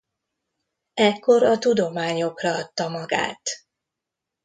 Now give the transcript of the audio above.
Ekkor a tudományokra adta magát.